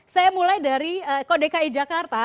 saya mulai dari dki jakarta